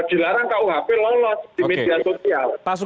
dilarang kuhp lolos di media sosial